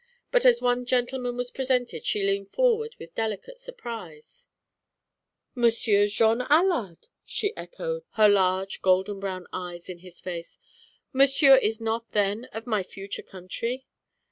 But as one gentleman was presented, she leaned forward with delicate surprise. "Monsieur John Allard," she echoed, her large golden brown eyes on his face. "Monsieur is not then of my future country?"